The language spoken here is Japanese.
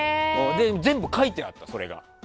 全部書いてあった、それが。